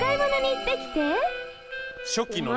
「初期のね」